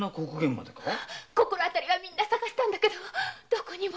心当たりは捜したんだけどどこにも。